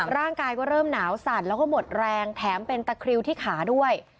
ร่างกายก็เริ่มหนาวสั่นแล้วก็หมดแรงแถมเป็นตะคริวที่ขาด้วย